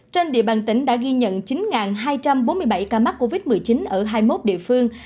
trên địa bàn tỉnh đã ghi nhận chín hai trăm bốn mươi bảy ca mắc covid một mươi chín ở hai mươi một địa phương